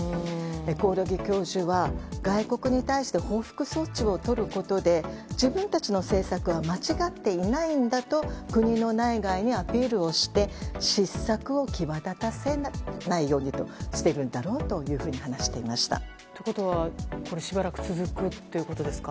興梠教授は外国に対して報復措置をとることで自分たちの政策は間違っていないんだと国の内外にアピールして失策を際立たせないようにしているんだろうとということは、しばらく続くということですか。